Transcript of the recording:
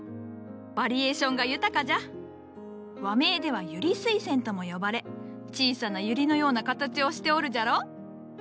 和名では百合水仙とも呼ばれ小さなユリのような形をしておるじゃろ。